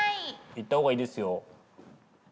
行ったほうがいいですよ。